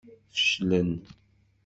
Feclen.